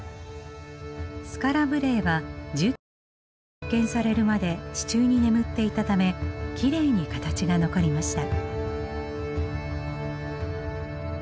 スカラ・ブレエは１９世紀に発見されるまで地中に眠っていたためきれいに形が残りました。